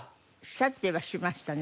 サッてはしましたね。